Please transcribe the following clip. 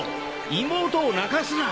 妹を泣かすな